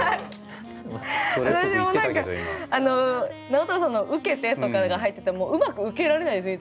「直太朗さんのを受けて」とかが入っててもうまく受けられないです